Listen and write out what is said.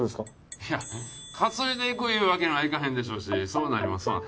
いや担いでいくゆうわけにはいかへんでしょうしそうなりますわな。